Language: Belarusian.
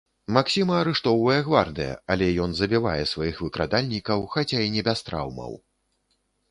Максіма арыштоўвае гвардыя, але ён забівае сваіх выкрадальнікаў, хаця і не без траўмаў.